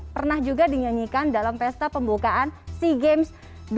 pernah juga dinyanyikan dalam pesta pembukaan sea games dua ribu delapan belas